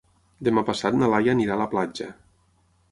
Demà passat na Laia anirà a la platja.